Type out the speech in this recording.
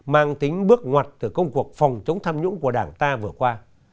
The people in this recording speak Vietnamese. mang tính bước ngoặt từ công cuộc phòng chống tham nhũng của đảng ta vừa qua